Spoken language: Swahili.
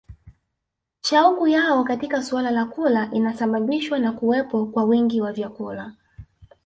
Shauku yao katika suala la kula inasababishwa na kuwepo kwa wingi wa vyakula